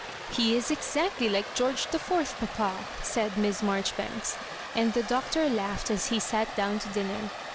*' He is exactly like George the Fourth, papa," said Miss Marjoribanks ; and the Doctor laughed as he sat down to dinner.